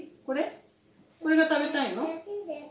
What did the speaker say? これが食べたいの？